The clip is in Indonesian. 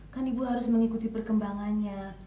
kan ibu harus mengikuti perkembangannya